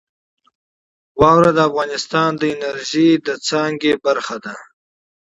واوره د افغانستان د انرژۍ د سکتور برخه ده.